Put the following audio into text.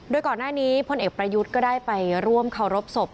โดยก่อนหน้านี้พลเอกประยุทธ์ก็ได้ไปร่วมเคารพศพ